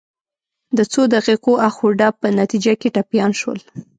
د څو دقیقو اخ و ډب په نتیجه کې ټپیان شول.